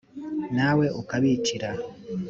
na we ukabicira.